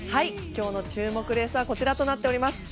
今日の注目レースはこちらとなっております。